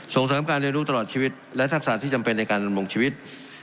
ส่งเสริมการเรียนรู้ตลอดชีวิตและทักษะที่จำเป็นในการดำรงชีวิต